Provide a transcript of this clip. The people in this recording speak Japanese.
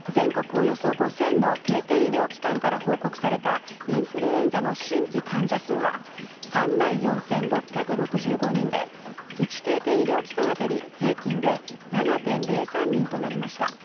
およそ５０００の定点医療機関から報告されたインフルエンザの新規感染者数は３万４６６５人で１定点医療機関当たり、平均で７．０３人となりました。